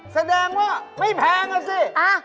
แสดงว่าไม่แพงนะสิเอ้า